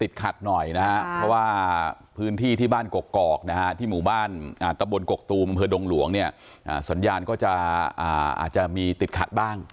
หน่อยนะครับเพราะว่าพื้นที่ที่บ้านกกอกนะฮะที่หมู่บ้านตะบนกกตูมอำเภอดงหลวงเนี่ยสัญญาณก็จะอาจจะมีติดขัดบ้าง